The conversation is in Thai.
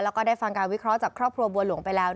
แล้วก็ได้ฟังการวิเคราะห์จากครอบครัวบัวหลวงไปแล้ว